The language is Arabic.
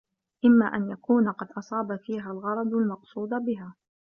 إمَّا أَنْ يَكُونَ قَدْ أَصَابَ فِيهَا الْغَرَضَ الْمَقْصُودَ بِهَا